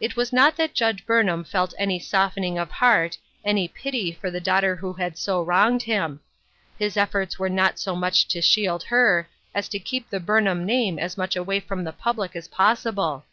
It was not that Judge Burnham felt any softening of heart, any pity for STORMY WEATHER. 223 the daughter who had so wronged him ; his efforts were not so much to shield her, as to keep the Burnham name as much away from the public as possible.